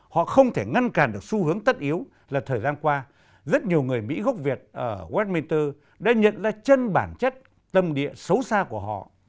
họ không thể ngăn cản được xu hướng tất yếu là thời gian qua rất nhiều người mỹ gốc việt ở westminster đã nhận ra chân bản chất tâm địa xấu xa của họ